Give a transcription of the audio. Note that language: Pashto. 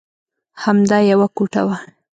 همدا یوه کوټه وه.